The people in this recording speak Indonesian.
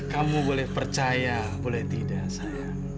kamu boleh percaya boleh tidak saya